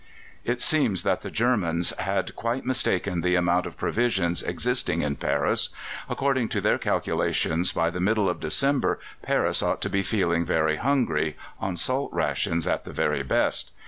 It seems that the Germans had quite mistaken the amount of provisions existing in Paris. According to their calculations by the middle of December Paris ought to be feeling very hungry, on salt rations at the very best.